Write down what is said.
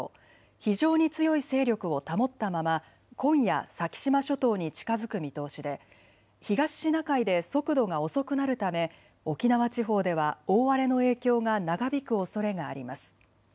非常に強い勢力を保ったまま今夜、先島諸島に近づく見通しで東シナ海で速度が遅くなるため沖縄地方では大荒れの影響が長引くおそれがあります。